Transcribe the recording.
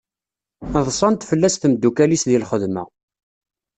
Ḍṣant fell-as temdukkal-is di lxedma.